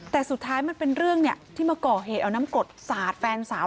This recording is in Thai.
แต่สุดท้ายมันเป็นเรื่องที่มาก่อเหตุเอาน้ำกรดสาดแฟนสาว